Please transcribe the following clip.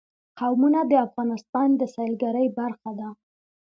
قومونه د افغانستان د سیلګرۍ برخه ده.